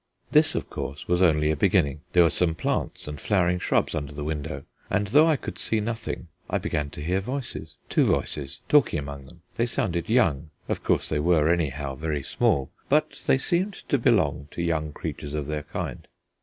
This, of course, was only a beginning. There were some plants and flowering shrubs under the window, and though I could see nothing, I began to hear voices two voices talking among them. They sounded young: of course they were anyhow very small, but they seemed to belong to young creatures of their kind.